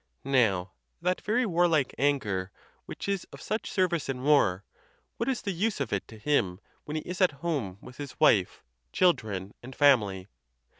Now, that very warlike anger, which is of such service in war, what is the use of it to him when he is at home with his wife, children, and family